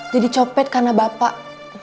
jadi copet karena bapak